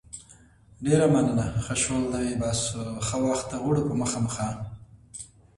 The unincorporated community of Webb Lake is located in the town.